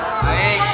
nanti aja ceritanya ya